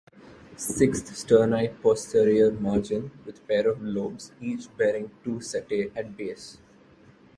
Sixth sternite posterior margin with pair of lobes each bearing two setae at base.